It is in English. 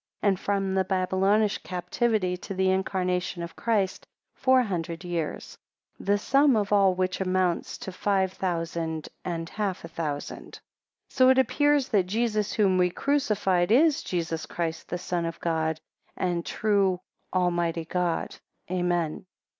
And from the Babylonish captivity to the incarnation of Christ, four hundred years. 19 The sum of all which amounts to five thousand and half (a thousand.) 20 And so it appears, that Jesus whom we crucified, is Jesus Christ the Son of God, and true Almighty God. Amen.